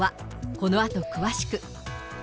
このあと詳しく。